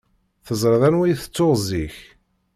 Teẓriḍ anwa i t-tuɣ zik?